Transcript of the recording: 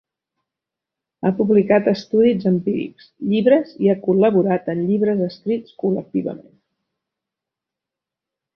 Ha publicat estudis empírics, llibres i ha col·laborat en llibres escrits col·lectivament.